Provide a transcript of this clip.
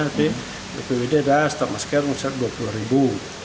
tapi bpbd sudah stop masker dua puluh ribu